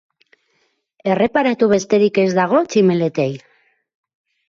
Erreparatu besterik ez dago tximeletei.